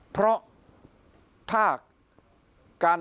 เพราะถ้าการ